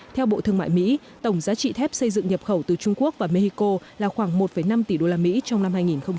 theo bộ thương mại mỹ tổng giá trị thép xây dựng nhập khẩu từ trung quốc và mexico là khoảng một năm tỷ usd trong năm hai nghìn một mươi tám